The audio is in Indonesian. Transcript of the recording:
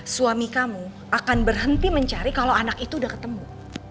suami kamu akan berhenti mencari kalau anak itu udah ketemu